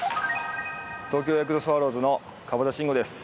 東京ヤクルトスワローズの川端慎吾です。